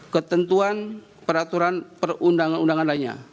ketentuan peraturan perundangan undangan lainnya